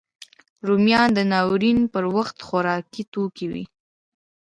رومیان د ناورین پر وخت خوارکي توکی وي